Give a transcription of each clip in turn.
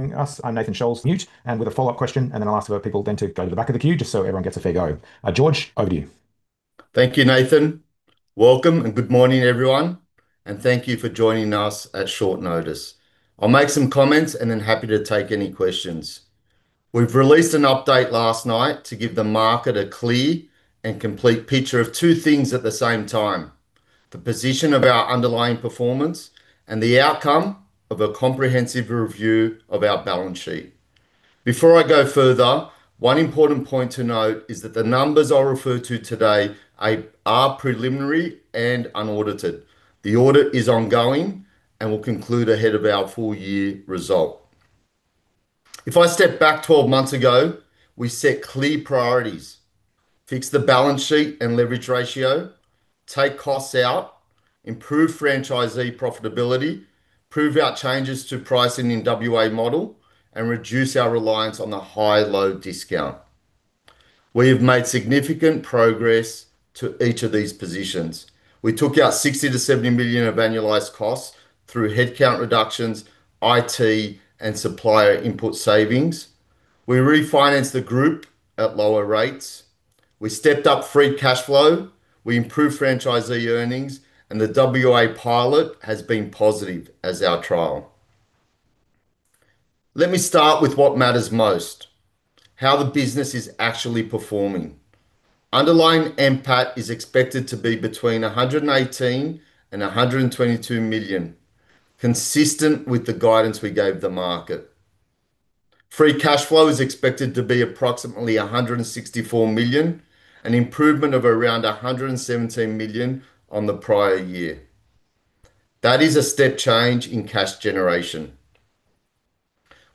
I'm Nathan Scholz, mute, with a follow-up question. Then I'll ask other people then to go to the back of the queue just so everyone gets a fair go. George, over to you. Thank you, Nathan. Welcome and good morning, everyone, thank you for joining us at short notice. I'll make some comments then happy to take any questions. We've released an update last night to give the market a clear and complete picture of two things at the same time, the position of our underlying performance and the outcome of a comprehensive review of our balance sheet. Before I go further, one important point to note is that the numbers I'll refer to today are preliminary and unaudited. The audit is ongoing and will conclude ahead of our full-year result. If I step back 12 months ago, we set clear priorities, fix the balance sheet and leverage ratio, take costs out, improve franchisee profitability, prove our changes to pricing in WA model, and reduce our reliance on the high-low discount. We have made significant progress to each of these positions. We took out 60 million-70 million of annualized costs through headcount reductions, IT, and supplier input savings. We refinanced the group at lower rates. We stepped up free cash flow, we improved franchisee earnings. The WA pilot has been positive as our trial. Let me start with what matters most, how the business is actually performing. Underlying NPAT is expected to be between 118 million and 122 million, consistent with the guidance we gave the market. Free cash flow is expected to be approximately 164 million, an improvement of around 117 million on the prior year. That is a step change in cash generation.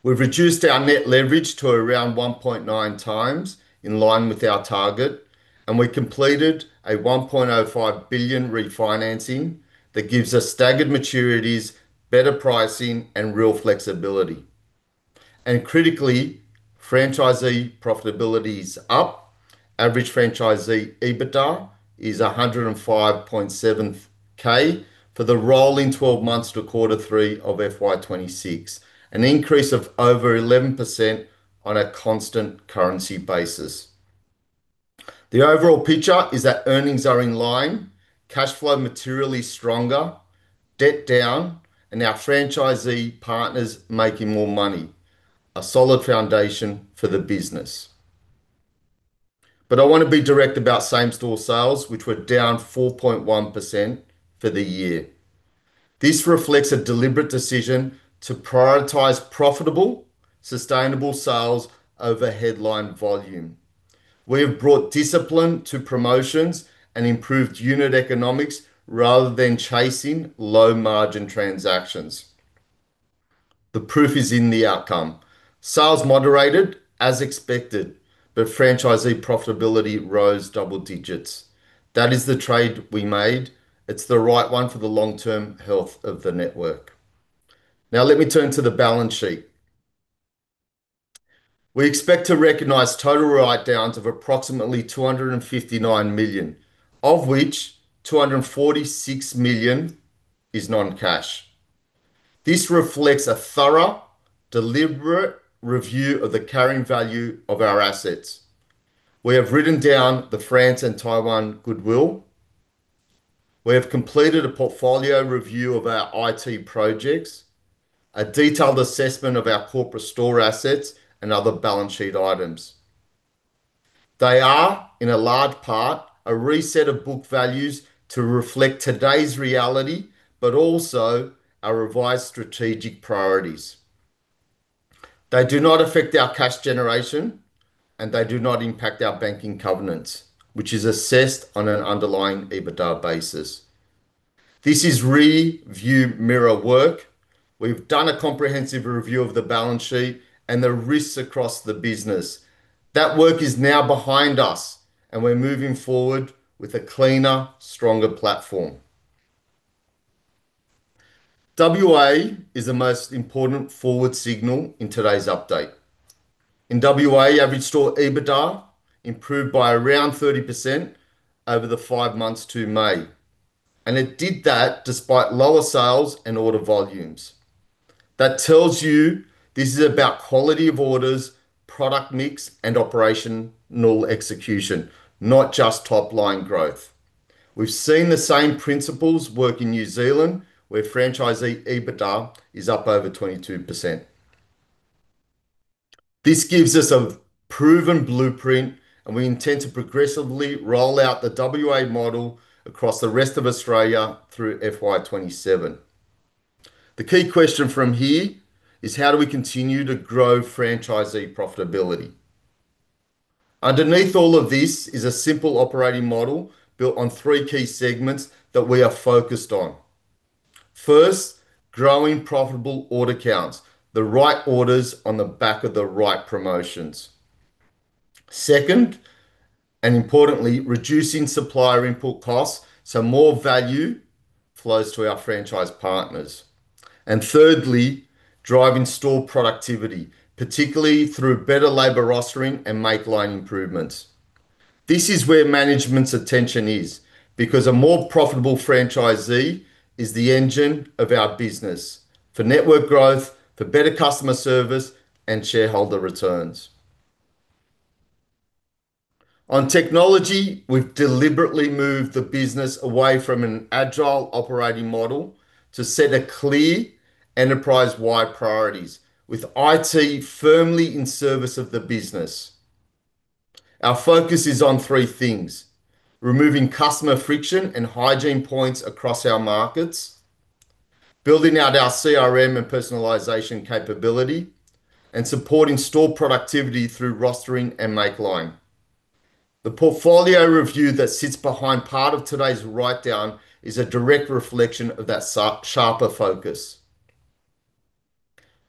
We've reduced our net leverage to around 1.9x in line with our target. We completed a 1.05 billion refinancing that gives us staggered maturities, better pricing, and real flexibility. Critically, franchisee profitability is up. Average franchisee EBITDA is 105,700 for the rolling 12 months to quarter three of FY 2026, an increase of over 11% on a constant currency basis. The overall picture is that earnings are in line, cash flow materially stronger, debt down, our franchisee partners making more money. A solid foundation for the business. I want to be direct about same-store sales, which were down 4.1% for the year. This reflects a deliberate decision to prioritize profitable, sustainable sales over headline volume. We have brought discipline to promotions and improved unit economics rather than chasing low-margin transactions. The proof is in the outcome. Sales moderated as expected, but franchisee profitability rose double digits. That is the trade we made. It's the right one for the long-term health of the network. Let me turn to the balance sheet. We expect to recognize total write-downs of approximately 259 million, of which 246 million is non-cash. This reflects a thorough, deliberate review of the carrying value of our assets. We have written down the France and Taiwan goodwill. We have completed a portfolio review of our IT projects, a detailed assessment of our corporate store assets and other balance sheet items. They are, in a large part, a reset of book values to reflect today's reality, but also our revised strategic priorities. They do not affect our cash generation and they do not impact our banking covenants, which is assessed on an underlying EBITDA basis. This is rear-view mirror work. We've done a comprehensive review of the balance sheet and the risks across the business. That work is now behind us and we're moving forward with a cleaner, stronger platform. WA is the most important forward signal in today's update. In WA, average store EBITDA improved by around 30% over the five months to May. It did that despite lower sales and order volumes. That tells you this is about quality of orders, product mix, and operational execution, not just top-line growth. We've seen the same principles work in New Zealand, where franchisee EBITDA is up over 22%. This gives us a proven blueprint, and we intend to progressively roll out the WA model across the rest of Australia through FY 2027. The key question from here is how do we continue to grow franchisee profitability? Underneath all of this is a simple operating model built on three key segments that we are focused on. First, growing profitable order counts, the right orders on the back of the right promotions. Second, importantly, reducing supplier input costs so more value flows to our franchise partners. Thirdly, driving store productivity, particularly through better labor rostering and make-line improvements. This is where management's attention is, because a more profitable franchisee is the engine of our business, for network growth, for better customer service, and shareholder returns. On technology, we've deliberately moved the business away from an agile operating model to set a clear enterprise-wide priorities, with IT firmly in service of the business. Our focus is on three things: removing customer friction and hygiene points across our markets, building out our CRM and personalization capability, and supporting store productivity through rostering and make-line. The portfolio review that sits behind part of today's write-down is a direct reflection of that sharper focus.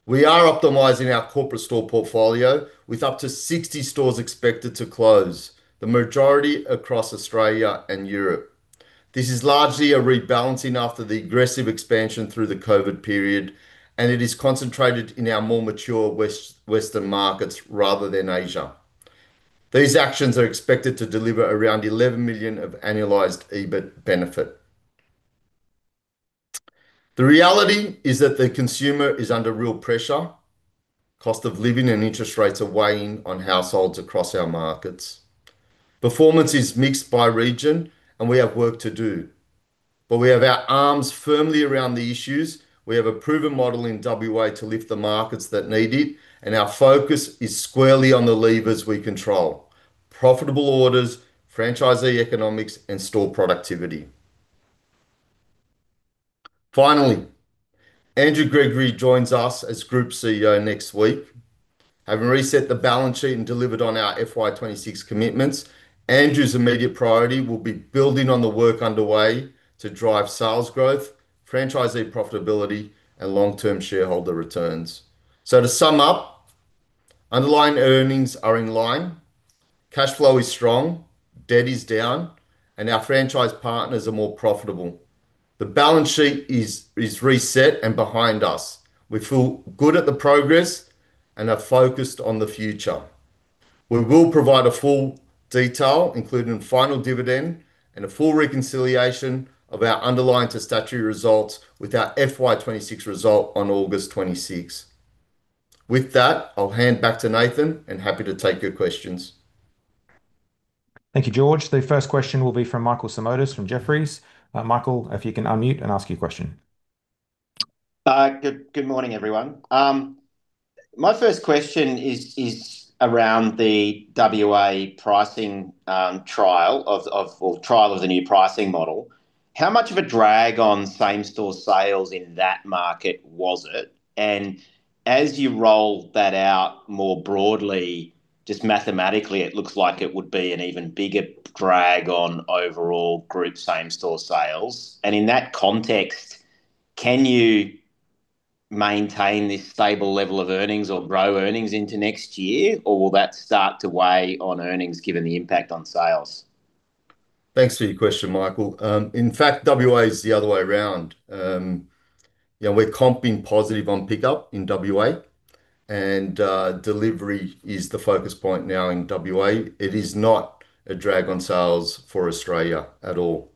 We are optimizing our corporate store portfolio with up to 60 stores expected to close, the majority across Australia and Europe. This is largely a rebalancing after the aggressive expansion through the COVID period. It is concentrated in our more mature Western markets rather than Asia. These actions are expected to deliver around 11 million of annualized EBIT benefit. The reality is that the consumer is under real pressure. Cost of living and interest rates are weighing on households across our markets. Performance is mixed by region. We have work to do. We have our arms firmly around the issues, we have a proven model in WA to lift the markets that need it, and our focus is squarely on the levers we control: profitable orders, franchisee economics, and store productivity. Finally, Andrew Gregory joins us as Group CEO next week. Having reset the balance sheet and delivered on our FY 2026 commitments, Andrew's immediate priority will be building on the work underway to drive sales growth, franchisee profitability, and long-term shareholder returns. To sum up, underlying earnings are in line, cash flow is strong, debt is down, and our franchise partners are more profitable. The balance sheet is reset and behind us. We feel good at the progress and are focused on the future. We will provide a full detail, including final dividend and a full reconciliation of our underlying to statutory results with our FY 2026 result on August 26th. With that, I will hand back to Nathan, and happy to take your questions. Thank you, George. The first question will be from Michael Simotas from Jefferies. Michael, if you can unmute and ask your question. Good morning, everyone. My first question is around the WA pricing trial of the new pricing model. How much of a drag on same-store sales in that market was it? As you roll that out more broadly, just mathematically, it looks like it would be an even bigger drag on overall group same-store sales. In that context, can you maintain this stable level of earnings or grow earnings into next year? Will that start to weigh on earnings given the impact on sales? Thanks for your question, Michael. In fact, WA is the other way around. We are comping positive on pickup in WA, and delivery is the focus point now in WA. It is not a drag on sales for Australia at all.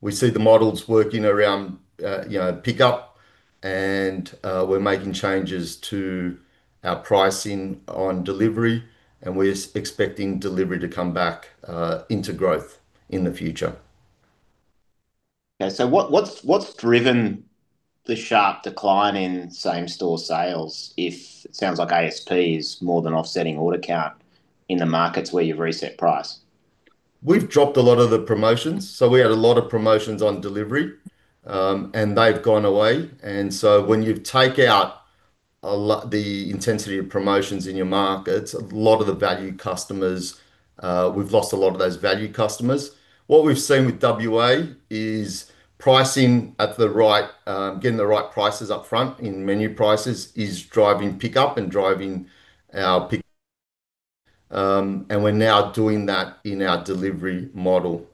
We see the models working around pickup, and we are making changes to our pricing on delivery, and we are expecting delivery to come back into growth in the future. What has driven the sharp decline in same-store sales if it sounds like ASP is more than offsetting order count in the markets where you've reset price? We've dropped a lot of the promotions. We had a lot of promotions on delivery, and they've gone away. When you take out the intensity of promotions in your markets, a lot of the valued customers, we've lost a lot of those valued customers. What we've seen with WA is pricing at getting the right prices up front in menu prices is driving pickup and driving our pick. We're now doing that in our delivery model.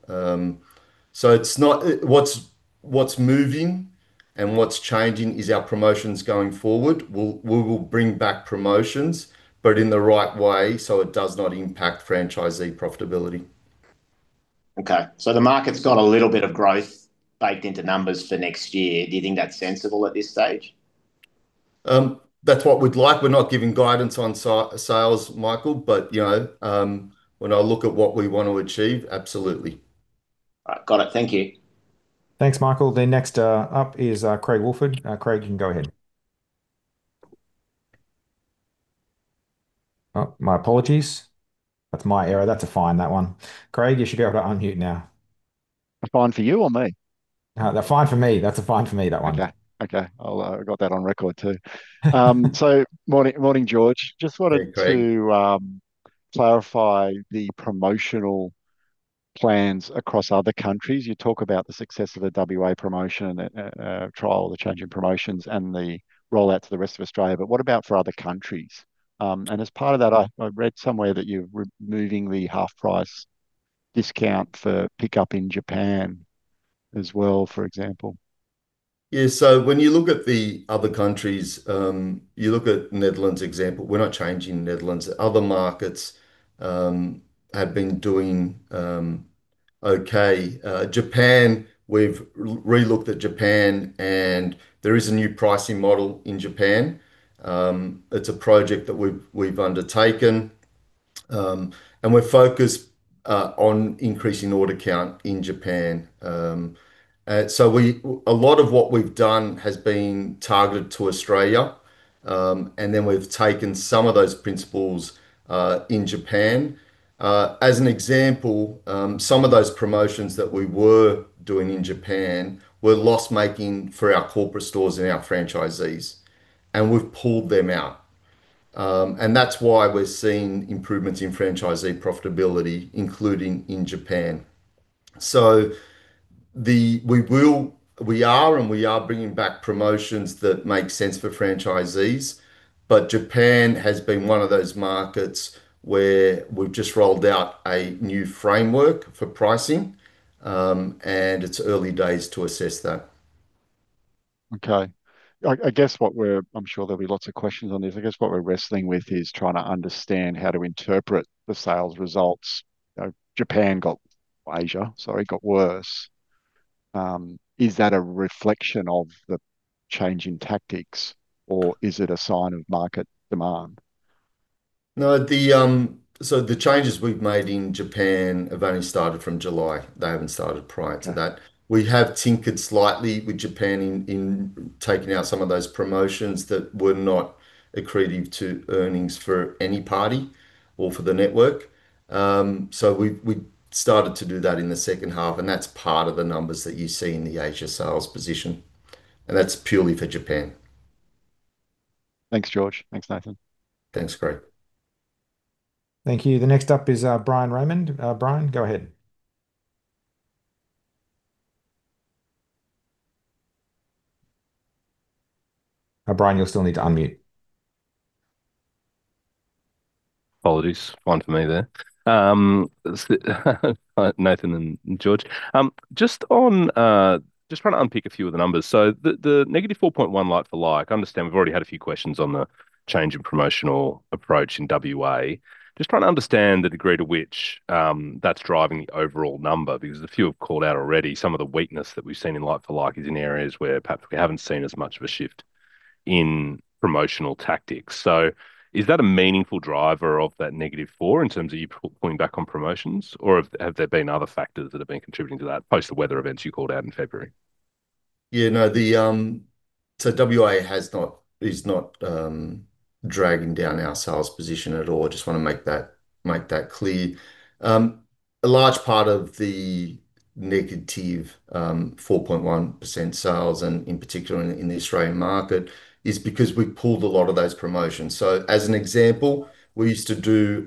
What's moving and what's changing is our promotions going forward. We will bring back promotions, but in the right way so it does not impact franchisee profitability. The market's got a little bit of growth baked into numbers for next year. Do you think that's sensible at this stage? That's what we'd like. We're not giving guidance on sales, Michael. When I look at what we want to achieve, absolutely. All right. Got it. Thank you. Thanks, Michael. Next up is Craig Woolford. Craig, you can go ahead. Oh, my apologies. That's my error. That's a fine, that one. Craig, you should be able to unmute now. A fine for you or me? No, they're fine for me. That's a fine for me, that one. Okay. I'll got that on record, too. Morning, George. Morning, Craig. I wanted to clarify the promotional plans across other countries. You talk about the success of the WA promotion trial, the change in promotions, and the rollout to the rest of Australia. What about for other countries? As part of that, I read somewhere that you're removing the half-price discount for pickup in Japan as well, for example. Yeah. When you look at the other countries, you look at Netherlands example, we're not changing Netherlands. Other markets have been doing okay. Japan, we've re-looked at Japan, there is a new pricing model in Japan. It's a project that we've undertaken. We're focused on increasing order count in Japan. A lot of what we've done has been targeted to Australia, then we've taken some of those principles in Japan. As an example, some of those promotions that we were doing in Japan were loss-making for our corporate stores and our franchisees, we've pulled them out. That's why we're seeing improvements in franchisee profitability, including in Japan. We are bringing back promotions that make sense for franchisees, Japan has been one of those markets where we've just rolled out a new framework for pricing, and it's early days to assess that. Okay. I'm sure there'll be lots of questions on this. I guess what we're wrestling with is trying to understand how to interpret the sales results. Asia, sorry, got worse. Is that a reflection of the change in tactics, or is it a sign of market demand? No. The changes we've made in Japan have only started from July. They haven't started prior to that. We have tinkered slightly with Japan in taking out some of those promotions that were not accretive to earnings for any party or for the network. We started to do that in the second half, and that's part of the numbers that you see in the Asia sales position, and that's purely for Japan. Thanks, George. Thanks, Nathan. Thanks, Craig. Thank you. The next up is Bryan Raymond. Bryan, go ahead. Bryan, you'll still need to unmute. Apologies. One for me there. Hi, Nathan and George. Just trying to unpick a few of the numbers. The -4.1 like-for-like, I understand we've already had a few questions on the change in promotional approach in WA. Just trying to understand the degree to which that's driving the overall number, because a few have called out already. Some of the weakness that we've seen in like-for-like is in areas where perhaps we haven't seen as much of a shift in promotional tactics. Is that a meaningful driver of that -4 in terms of you pulling back on promotions, or have there been other factors that have been contributing to that post the weather events you called out in February? WA is not dragging down our sales position at all. Just want to make that clear. A large part of the -4.1% sales, and in particular in the Australian market, is because we pulled a lot of those promotions. As an example, we used to do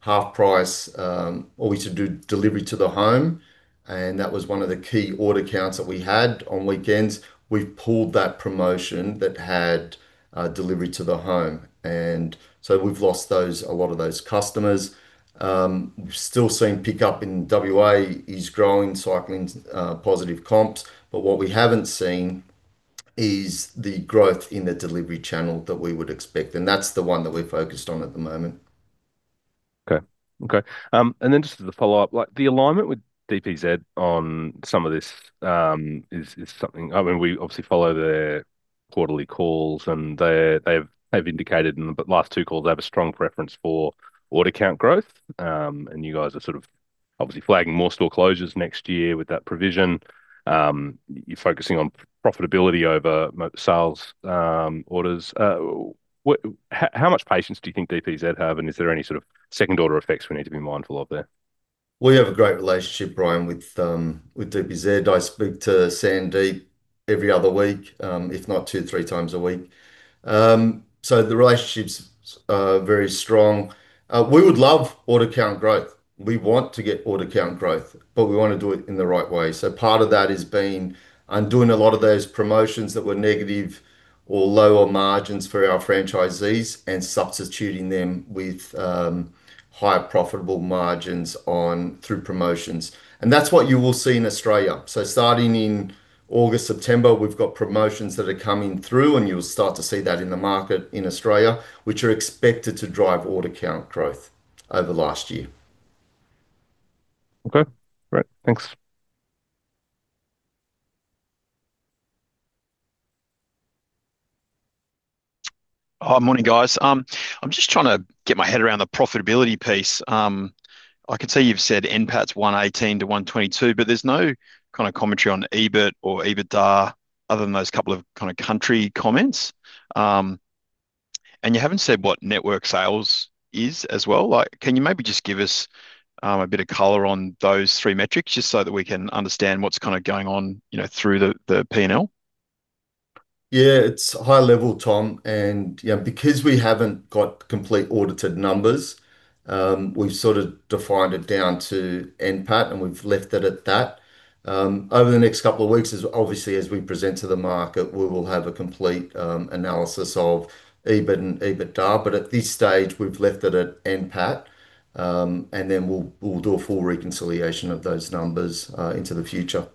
half price, or we used to do delivery to the home, and that was one of the key order counts that we had on weekends. We've pulled that promotion that had delivery to the home, we've lost a lot of those customers. We've still seen pickup in WA is growing, cycling positive comps. What we haven't seen is the growth in the delivery channel that we would expect, and that's the one that we're focused on at the moment. Just as a follow-up, the alignment with DPZ on some of this is something. We obviously follow their quarterly calls, and they've indicated in the last two calls they have a strong preference for order count growth. You guys are obviously flagging more store closures next year with that provision. You're focusing on profitability over sales orders. How much patience do you think DPZ have, and is there any sort of second-order effects we need to be mindful of there? We have a great relationship, Bryan, with DPZ. I speak to Sandeep every other week, if not two, three times a week. The relationship's very strong. We would love order count growth. We want to get order count growth, we want to do it in the right way. Part of that has been undoing a lot of those promotions that were negative or lower margins for our franchisees and substituting them with higher profitable margins through promotions. That's what you will see in Australia. Starting in August, September, we've got promotions that are coming through, you'll start to see that in the market in Australia, which are expected to drive order count growth over last year. Great. Thanks. Hi. Morning, guys. I'm just trying to get my head around the profitability piece. I can see you've said NPAT's 118 million-122 million, there's no kind of commentary on EBIT or EBITDA other than those couple of kind of country comments. You haven't said what network sales is as well. Can you maybe just give us a bit of color on those three metrics, just so that we can understand what's kind of going on through the P&L? Yeah, it's high level, Tom. Because we haven't got complete audited numbers, we've sort of defined it down to NPAT, and we've left it at that. Over the next couple of weeks, obviously, as we present to the market, we will have a complete analysis of EBIT and EBITDA. At this stage, we've left it at NPAT, and then we'll do a full reconciliation of those numbers into the future.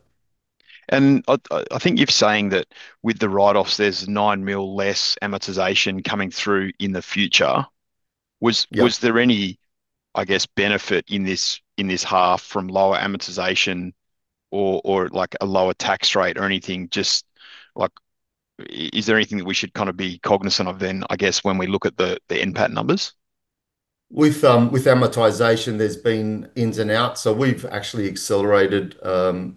I think you're saying that with the write-offs, there's 9 million less amortization coming through in the future. Yeah. Was there any, I guess, benefit in this half from lower amortization or a lower tax rate or anything? Just is there anything that we should kind of be cognizant of then, I guess, when we look at the NPAT numbers? With amortization, there's been ins and outs. We've actually accelerated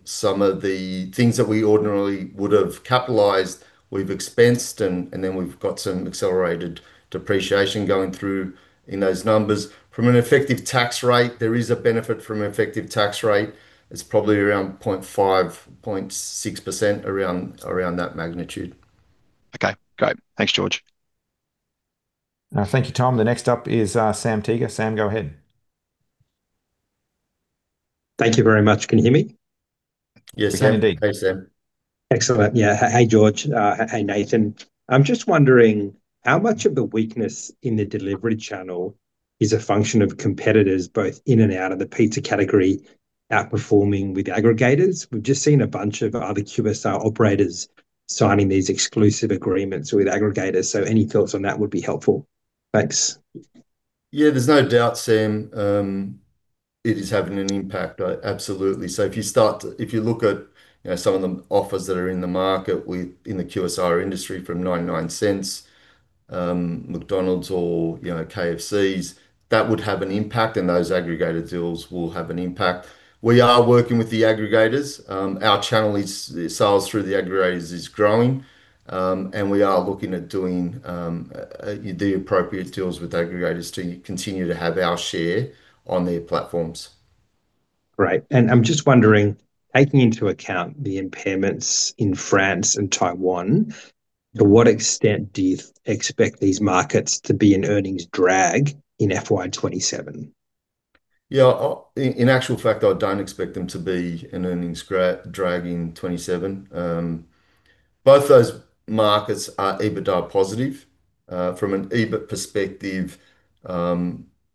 some of the things that we ordinarily would have capitalized, we've expensed and then we've got some accelerated depreciation going through in those numbers. From an effective tax rate, there is a benefit from an effective tax rate. It's probably around 0.5%, 0.6%, around that magnitude. Okay, great. Thanks, George. Thank you, Tom. The next up is Sam Teeger. Sam, go ahead. Thank you very much. Can you hear me? Yes, Sam. We can indeed. Hey, Sam. Excellent. Yeah. Hey, George. Hey, Nathan. I'm just wondering, how much of the weakness in the delivery channel is a function of competitors both in and out of the pizza category outperforming with aggregators? We've just seen a bunch of other QSR operators signing these exclusive agreements with aggregators. Any thoughts on that would be helpful. Thanks. There's no doubt, Sam, it is having an impact. Absolutely. If you look at some of the offers that are in the market in the QSR industry from 99 Cents, McDonald's, or KFC's, that would have an impact, and those aggregator deals will have an impact. We are working with the aggregators. Our channel sales through the aggregators is growing. We are looking at doing the appropriate deals with aggregators to continue to have our share on their platforms. Great. I'm just wondering, taking into account the impairments in France and Taiwan, to what extent do you expect these markets to be an earnings drag in FY 2027? Yeah. In actual fact, I don't expect them to be an earnings drag in 2027. Both those markets are EBITDA positive. From an EBIT perspective,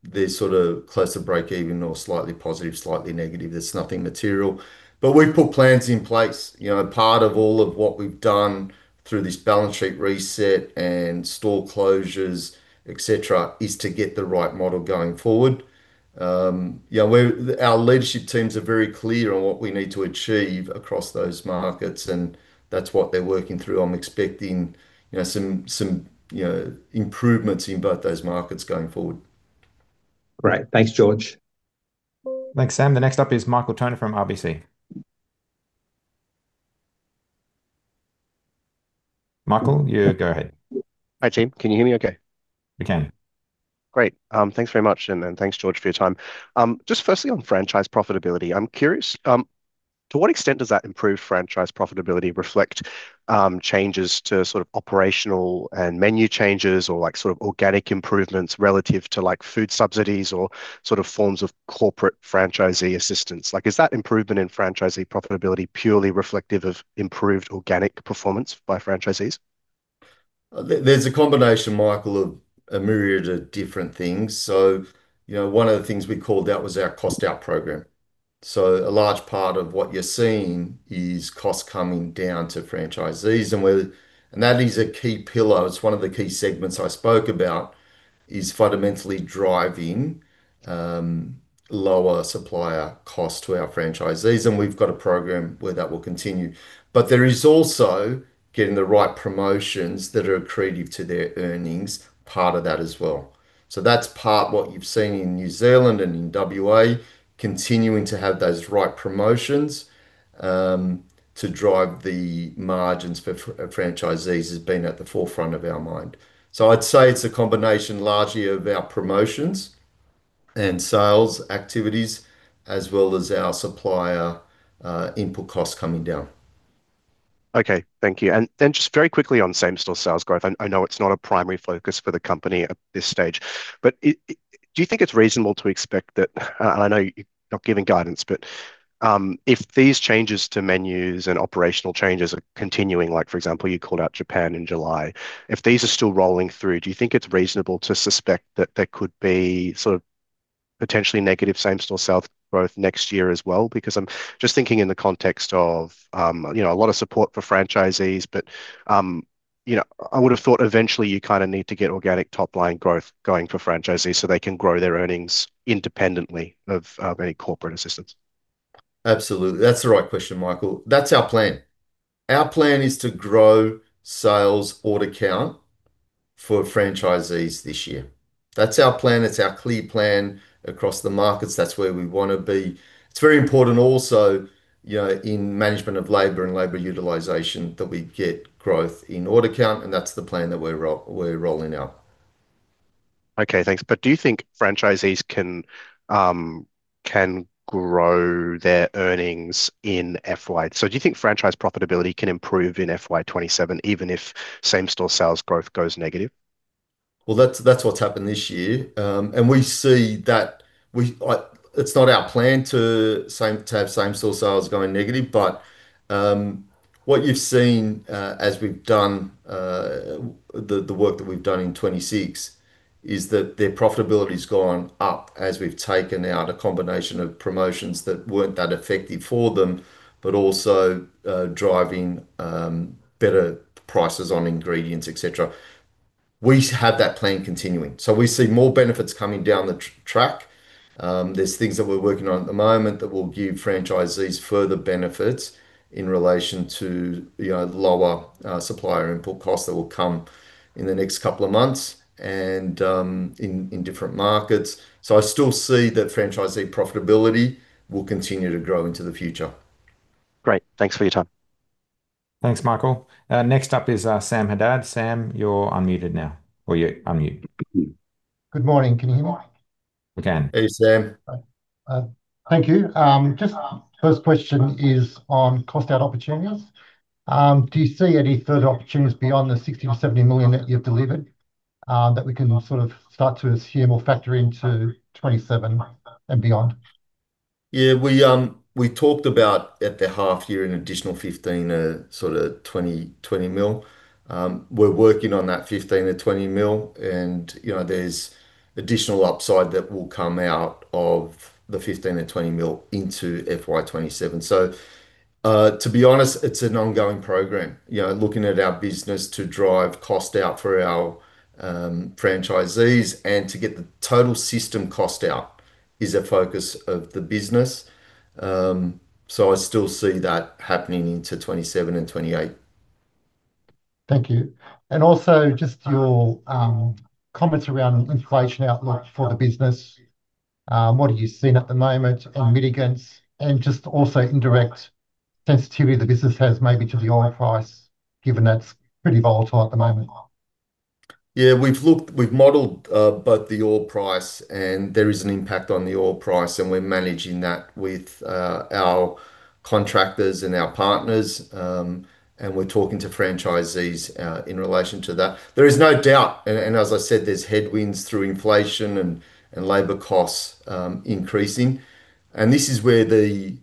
they're sort of close to breakeven or slightly positive, slightly negative. There's nothing material. We've put plans in place. Part of all of what we've done through this balance sheet reset and store closures, et cetera, is to get the right model going forward. Our leadership teams are very clear on what we need to achieve across those markets, and that's what they're working through. I'm expecting some improvements in both those markets going forward. Great. Thanks, George. Thanks, Sam. The next up is Michael Toner from RBC. Michael, you go ahead. Hi, team. Can you hear me okay? We can. Great. Thanks very much and thanks, George, for your time. Just firstly, on franchise profitability, I'm curious, to what extent does that improved franchise profitability reflect changes to sort of operational and menu changes or sort of organic improvements relative to food subsidies or sort of forms of corporate franchisee assistance? Is that improvement in franchisee profitability purely reflective of improved organic performance by franchisees? There's a combination, Michael, of a myriad of different things. One of the things we called out was our cost out program. A large part of what you're seeing is cost coming down to franchisees, and that is a key pillar. It's one of the key segments I spoke about, is fundamentally driving lower supplier costs to our franchisees, and we've got a program where that will continue. There is also getting the right promotions that are accretive to their earnings part of that as well. That's part of what you've seen in New Zealand and in WA. Continuing to have those right promotions to drive the margins for franchisees has been at the forefront of our mind. I'd say it's a combination largely of our promotions and sales activities as well as our supplier input costs coming down. Okay. Thank you. Just very quickly on same-store sales growth, I know it's not a primary focus for the company at this stage, do you think it's reasonable to expect that-- I know you're not giving guidance, if these changes to menus and operational changes are continuing, like for example, you called out Japan in July. If these are still rolling through, do you think it's reasonable to suspect that there could be sort of potentially negative same-store sales growth next year as well? I'm just thinking in the context of a lot of support for franchisees. I would have thought eventually you kind of need to get organic top-line growth going for franchisees so they can grow their earnings independently of any corporate assistance. Absolutely. That's the right question, Michael. That's our plan. Our plan is to grow sales order count for franchisees this year. That's our plan. It's our clear plan across the markets. That's where we want to be. It's very important also in management of labor and labor utilization that we get growth in order count, and that's the plan that we're rolling out. Okay, thanks. Do you think franchisees can grow their earnings? Do you think franchise profitability can improve in FY 2027 even if same-store sales growth goes negative? That's what's happened this year. It's not our plan to have same-store sales going negative. What you've seen as we've done the work that we've done in FY 2026 is that their profitability's gone up as we've taken out a combination of promotions that weren't that effective for them, but also driving better prices on ingredients, et cetera. We have that plan continuing. We see more benefits coming down the track. There's things that we're working on at the moment that will give franchisees further benefits in relation to lower supplier input costs that will come in the next couple of months and in different markets. I still see that franchisee profitability will continue to grow into the future. Great. Thanks for your time. Thanks, Michael. Next up is Sam Haddad. Sam, you're unmuted now. Good morning. Can you hear me? We can. Hey, Sam. Thank you. Just first question is on cost out opportunities. Do you see any further opportunities beyond the 60 million-70 million that you've delivered, that we can sort of start to assume or factor into 2027 and beyond? Yeah. We talked about at the half year an additional 15 million to sort of 20 million. We're working on that 15 million-20 million, and there's additional upside that will come out of the 15 million and 20 million into FY 2027. To be honest, it's an ongoing program. Looking at our business to drive cost out for our franchisees and to get the total system cost out is a focus of the business. I still see that happening into 2027 and 2028. Thank you. Also, just your comments around inflation outlook for the business. What are you seeing at the moment on mitigants and just also indirect sensitivity the business has maybe to the oil price, given that's pretty volatile at the moment? Yeah. We've modeled both the oil price and there is an impact on the oil price, and we're managing that with our contractors and our partners. We're talking to franchisees, in relation to that. There is no doubt, as I said, there's headwinds through inflation and labor costs increasing, and this is where the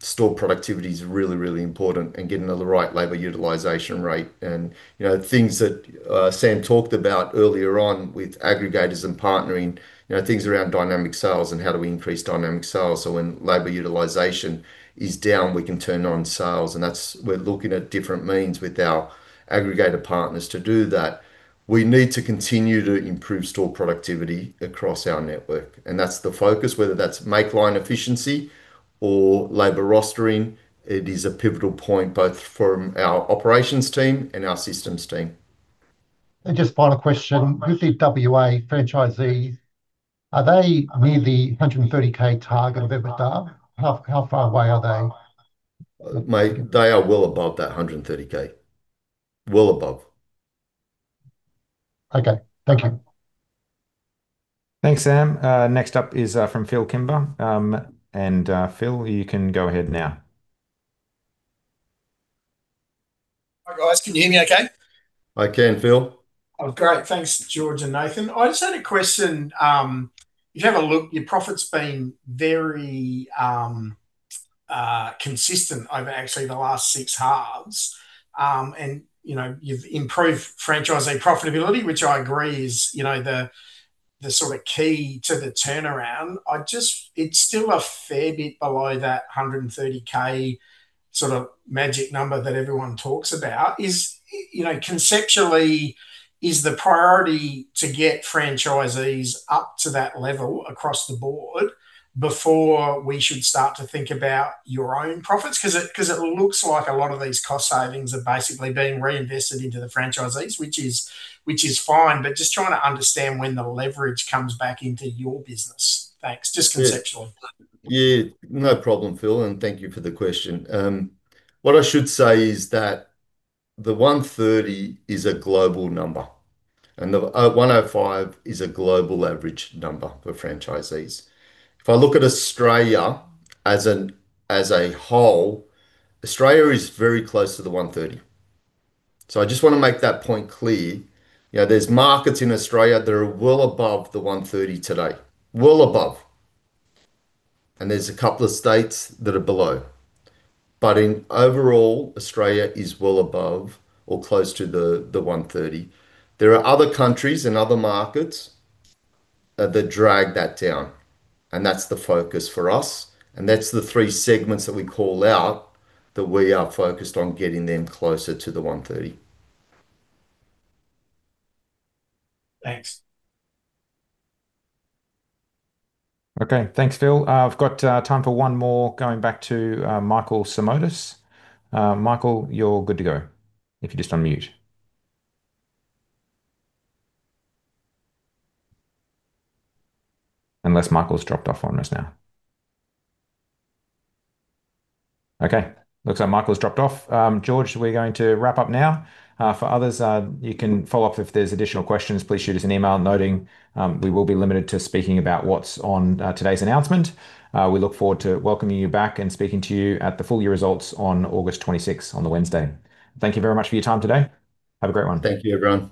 store productivity's really important and getting the right labor utilization rate. Things that Sam talked about earlier on with aggregators and partnering, things around dynamic sales and how do we increase dynamic sales so when labor utilization is down, we can turn on sales. That's we're looking at different means with our aggregator partners to do that. We need to continue to improve store productivity across our network, and that's the focus, whether that's make line efficiency or labor rostering. It is a pivotal point both from our operations team and our systems team. Just final question. With the WA franchisees, are they near the 130,000 target of EBITDA? How far away are they? Mate, they are well above that 130,000. Well above. Okay. Thank you. Thanks, Sam. Next up is from Phil Kimber. Phil, you can go ahead now. Hi, guys. Can you hear me okay? I can, Phil. Great. Thanks, George and Nathan. I just had a question. If you have a look, your profit's been very consistent over actually the last six halves. You've improved franchisee profitability, which I agree is the sort of key to the turnaround. It's still a fair bit below that 130,000 sort of magic number that everyone talks about. Conceptually, is the priority to get franchisees up to that level across the board before we should start to think about your own profits? Because it looks like a lot of these cost savings are basically being reinvested into the franchisees, which is fine, but just trying to understand when the leverage comes back into your business. Thanks. Just conceptually. No problem, Phil, thank you for the question. What I should say is that the 130,000 is a global number, the 105,000 is a global average number for franchisees. If I look at Australia as a whole, Australia is very close to the 130,000. I just want to make that point clear. There's markets in Australia that are well above the 130,000 today. Well above. There's a couple of states that are below. In overall, Australia is well above or close to the 130,000. There are other countries and other markets that drag that down, and that's the focus for us, and that's the three segments that we call out that we are focused on getting them closer to the 130,000. Thanks. Thanks, Phil. I've got time for one more going back to Michael Simotas. Michael, you're good to go if you just unmute. Unless Michael's dropped off on us now. Looks like Michael's dropped off. George, we're going to wrap up now. For others, you can follow up if there's additional questions. Please shoot us an email noting. We will be limited to speaking about what's on today's announcement. We look forward to welcoming you back and speaking to you at the full-year results on August 26th on the Wednesday. Thank you very much for your time today. Have a great one. Thank you, everyone.